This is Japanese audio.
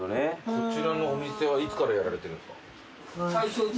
こちらのお店はいつからやられてるんですか？